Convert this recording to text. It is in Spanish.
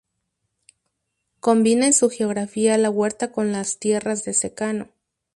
Combina en su geografía la huerta con las tierras de secano.